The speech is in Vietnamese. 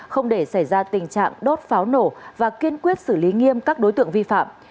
không để xảy ra tình trạng đốt pháo nổ và kiên quyết xử lý nghiêm các đối tượng vi phạm